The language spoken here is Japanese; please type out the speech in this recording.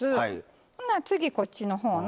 ほな次こっちの方の。